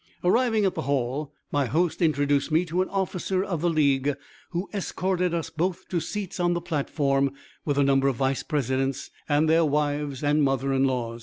Arriving at the hall, my host introduced me to an officer of the league, who escorted us both to seats on the platform with a number of vice presidents and their wives and mothers in law.